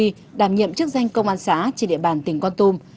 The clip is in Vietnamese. đảm nhiệm chức danh công an xã trên địa bàn tỉnh con tum